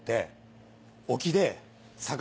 沖で。